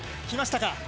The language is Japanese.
きましたか。